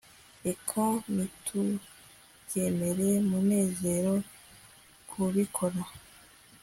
reka ntitukemere munezero kubikora